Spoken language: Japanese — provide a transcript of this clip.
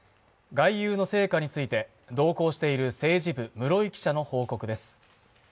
外遊の成果について、同行している政治部・室井記者の報告です。